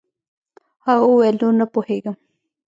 هغه وويل نور نه پوهېږم.